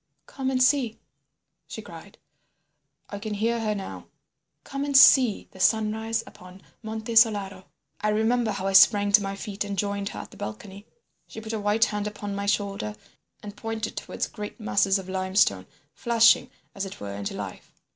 "'Come and see,' she cried—I can hear her now—'come and see the sunrise upon Monte Solaro.' "I remember how I sprang to my feet and joined her at the balcony. She put a white hand upon my shoulder and pointed towards great masses of limestone, flushing, as it were, into life.